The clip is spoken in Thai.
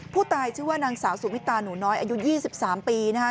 ผู้ตายชื่อว่านางสาวสูงวิตาหนูน้อยอายุยี่สิบสามปีนะฮะ